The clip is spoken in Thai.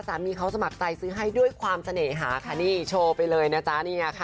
สามีเขาสมัครใจซื้อให้ด้วยความเสน่หาค่ะนี่โชว์ไปเลยนะจ๊ะเนี่ยค่ะ